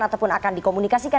ataupun akan dikomunikasikan